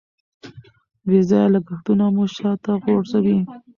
بې ځایه لګښتونه مو شاته غورځوي.